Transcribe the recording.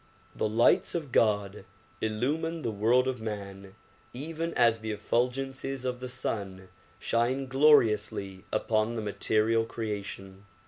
The lights of God illumine the world of man even as the effulgences of the sun shine gloriously upon the material creation.